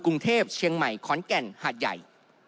กรุงเทพเชียงใหม่ขอนแก่นหาดใหญ่